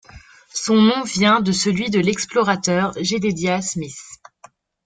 Son nom vient de celui de l'explorateur Jedediah Smith.